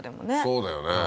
そうだよね